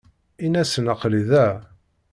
Ini-asen aql-i da.